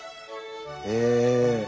へえ。